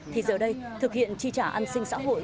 thì giờ đây thực hiện chi trả an sinh xã hội